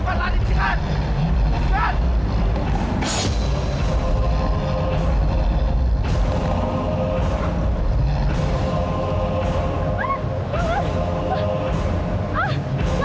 babe kita lari